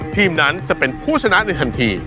ทีมนั้นจะเป็นผู้ชนะในทันที